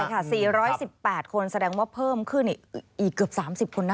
ใช่ค่ะ๔๑๘คนแสดงว่าเพิ่มขึ้นอีกเกือบ๓๐คนนะ